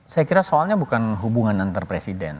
saya kira soalnya bukan hubungan antar presiden